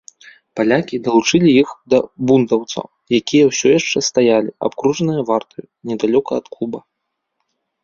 Палякі далучылі іх да бундаўцаў, якія ўсё яшчэ стаялі, абкружаныя вартаю, недалёка ад клуба.